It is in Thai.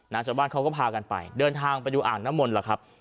ชาวบ้านเขาก็พากันไปเดินทางไปดูอ่างน้ำมนต์ล่ะครับ